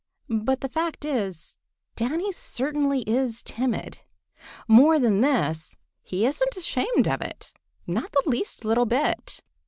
But the fact is Danny certainly is timid. More than this, he isn't ashamed of it—not the least little bit.